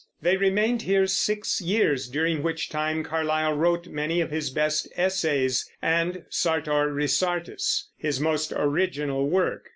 They remained here six years, during which time Carlyle wrote many of his best essays, and Sartor Resartus, his most original work.